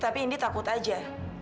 tapi indi takut aja